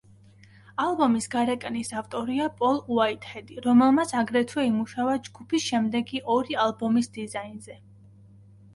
ალბომის გარეკანის ავტორია პოლ უაიტჰედი, რომელმაც აგრეთვე იმუშავა ჯგუფის შემდეგი ორი ალბომის დიზაინზე.